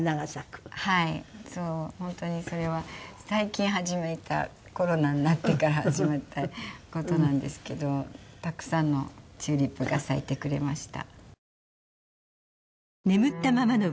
本当にそれは最近始めたコロナになってから始めた事なんですけどたくさんのチューリップが咲いてくれました。